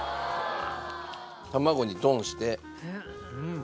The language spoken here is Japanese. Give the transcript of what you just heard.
卵にトンして。